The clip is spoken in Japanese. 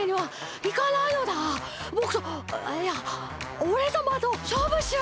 ぼくといやおれさまとしょうぶしろ！